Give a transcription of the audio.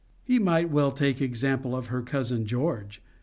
He might well take example of her cousin George!